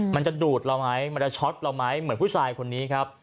มันจะดูดเราไหมมันจะช็อตเราไหมเหมือนผู้ชายคนนี้ครับ